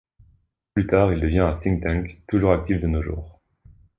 Plus tard, il devient un think tank toujours actif de nos jours.